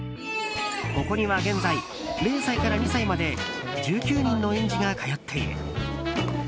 ここには現在０歳から２歳まで１９人の園児が通っている。